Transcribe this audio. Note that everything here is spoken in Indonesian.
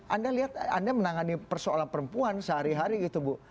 anda lihat anda menangani persoalan perempuan sehari hari gitu bu